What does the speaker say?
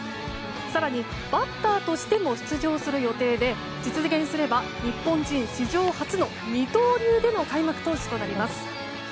更に、バッターとしても出場する予定で実現すれば、日本人史上初の二刀流での開幕投手となります。